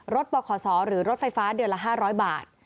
รถบ่าขอสอหรือรถไฟฟ้าเดือนละ๕๐๐บาท